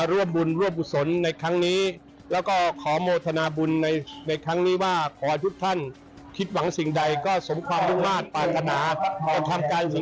รับถูกคำอาถวแรกบอกมาเลย